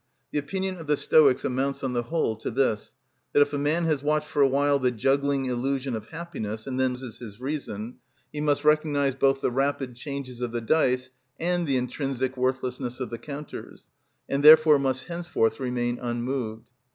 The opinion of the Stoics amounts on the whole to this, that if a man has watched for a while the juggling illusion of happiness and then uses his reason, he must recognise both the rapid changes of the dice and the intrinsic worthlessness of the counters, and therefore must henceforth remain unmoved.